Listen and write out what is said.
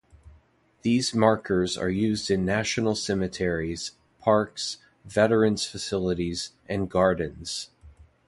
These markers are used in National Cemeteries, parks, veterans facilities, and gardens.